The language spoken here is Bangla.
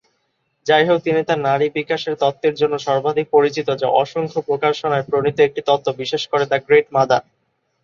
যাইহোক, তিনি তার নারী বিকাশের তত্ত্বের জন্য সর্বাধিক পরিচিত, যা অসংখ্য প্রকাশনায় প্রণীত একটি তত্ত্ব, বিশেষ করে "দ্য গ্রেট মাদার"।